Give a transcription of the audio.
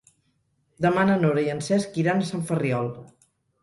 Demà na Nora i en Cesc iran a Sant Ferriol.